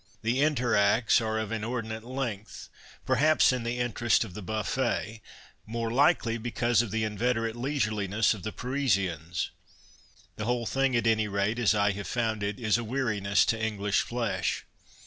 The inter acts arc of iiiordinate length, j)erhaps in the interests of 112 FIRST NIGHTS the buffet, more likely because of the inveterate leisureliness of the Parisians. The whole thing, at any rate as I have found it, is a weariness to English flesh.